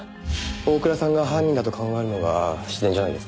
大倉さんが犯人だと考えるのが自然じゃないですか？